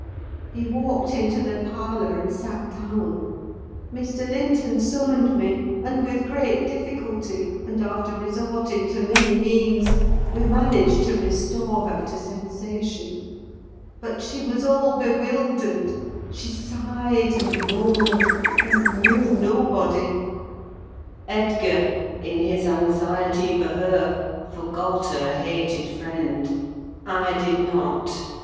He walked into the parlour, and sat down. Mr. Linton summoned me, and with great difficulty, and after resorting to many means, we managed to restore her to sensation; but she was all bewildered; she sighed, and moaned, and knew nobody. Edgar, in his anxiety for her, forgot her hated friend. I did not.